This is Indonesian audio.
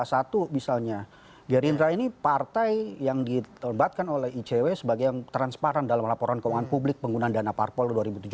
satu misalnya gerindra ini partai yang ditelembatkan oleh icw sebagai yang transparan dalam laporan keuangan publik penggunaan dana parpol dua ribu tujuh belas